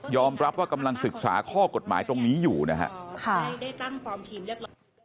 ยอมรับว่ากำลังศึกษาข้อกฎหมายตรงนี้อยู่นะครับ